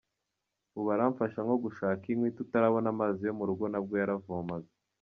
Ubu aramfasha, nko gushaka inkwi, tutarabona amazi yo mu rugo nabwo yaravomaga.